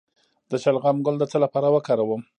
د شلغم ګل د څه لپاره وکاروم؟